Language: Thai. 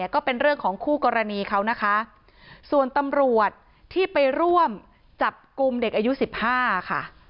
ก็เป็นเรื่องของคู่กรณีเขานะคะส่วนตำรวจที่ไปร่วมจับกลุ่มเด็กอายุสิบห้าค่ะ